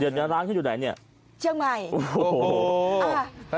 เดือนเนี้ยร้านที่อยู่ไหนเนี้ยเชื่อมัยโอ้โหอ่า